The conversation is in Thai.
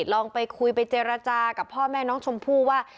ลองไปคุยไปเจรจากับพ่อแม่น้องชมพู่ว่า